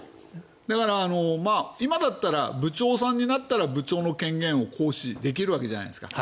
だから、今だったら部長さんになったら部長の権限を行使できるわけじゃないですか。